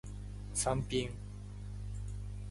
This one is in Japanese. サンピン